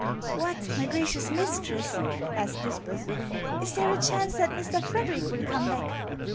" What ! my gracious mistress," asked Lisbeth, " is there a chance that Mr. Frederic will come back